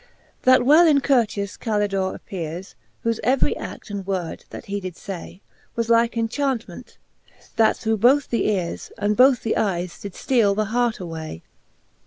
That well in courteous CaUdore appeares, Whofe every a£l:, and word, that he did fay, Was like enchantment, that through both the qjqs, » And borh the eares, did fteale the hart away.